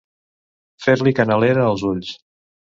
Fer-li canalera els ulls.